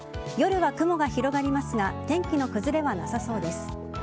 夜は雲が広がりますが天気の崩れはなさそうです。